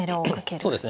そうですね。